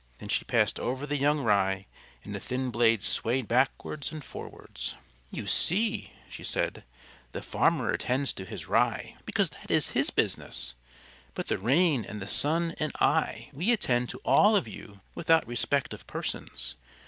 Then she passed over the young Rye, and the thin blades swayed backwards and forwards. "You see," she said, "the farmer attends to his Rye, because that is his business. But the rain and the sun and I we attend to all of you without respect of persons.